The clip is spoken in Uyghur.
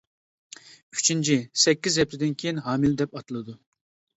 ئۈچىنچى، سەككىز ھەپتىدىن كېيىن ھامىلە دەپ ئاتىلىدۇ.